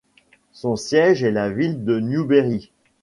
Son siège est la ville de Newberry.